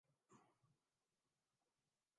دو مہینے پہلے راہداری میں